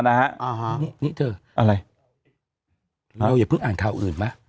พี่เถอะเราอย่าพึ่งอ่านข่าวอื่นไหม